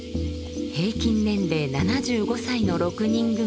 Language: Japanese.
平均年齢７５歳の６人組。